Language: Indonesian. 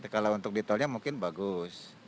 kalau untuk di tolnya mungkin bagus